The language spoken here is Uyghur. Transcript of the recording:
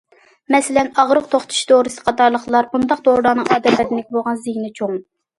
مەسىلەن، ئاغرىق توختىتىش دورىسى قاتارلىقلار، بۇنداق دورىلارنىڭ ئادەم بەدىنىگە بولغان زىيىنى چوڭ.